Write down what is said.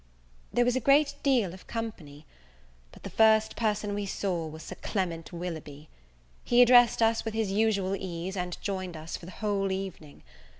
There was a great deal of company; but the first person we saw was Sir Clement Willoughby. He addressed us with his usual ease, and joined us for the whole evening.